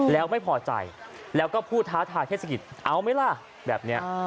แล้วไม่พอใจแล้วก็พูดท้าทายเทศกิจเอาไหมล่ะแบบนี้